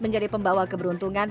menjadi pembawa keberuntungan